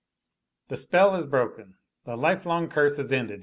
"The spell is broken, the life long curse is ended!"